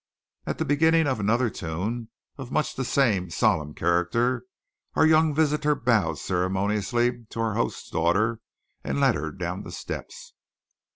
At the beginning of another tune, of much the same solemn character, our young visitor bowed ceremoniously to our host's daughter, and led her down the steps.